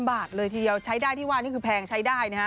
บาทเลยทีเดียวใช้ได้ที่ว่านี่คือแพงใช้ได้นะฮะ